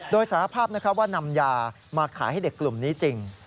โดยสารภาพว่านำยามาขายให้เด็กกลุ่มนี้จริง